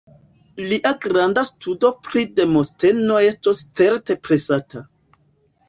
Lia granda studo pri Demosteno estos certe presata.